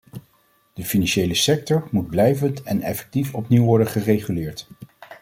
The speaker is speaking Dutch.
De financiële sector moet blijvend en effectief opnieuw worden gereguleerd.